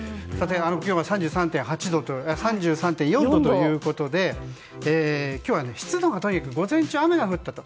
今日は３３．４度ということで今日は湿度がとにかく午前中、雨が降ったと。